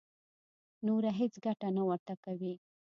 نوره هېڅ ګټه نه ورته کوي.